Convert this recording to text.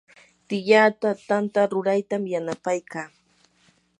tiyaata tanta ruraytam yanapaykaa.